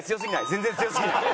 全然強すぎない。